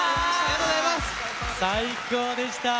最高でした。